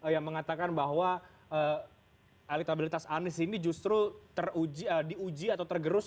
yang mengatakan bahwa elektabilitas anies ini justru diuji atau tergerus